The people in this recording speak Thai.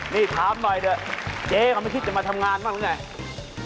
นี่ถามหน่อยเถอะเจ๊เขาไม่คิดจะมาทำงานบ้างหรือไง